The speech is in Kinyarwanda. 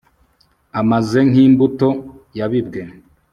amaze nk'imbuto yabibwe